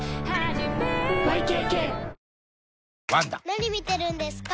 ・何見てるんですか？